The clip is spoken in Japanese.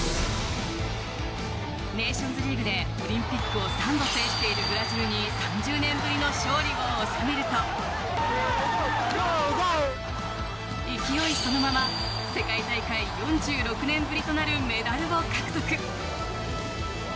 ネーションズリーグでオリンピックを３度制しているブラジルに３０年ぶりの勝利を収めると勢いそのまま世界大会４６年ぶりとなるメダルを獲得。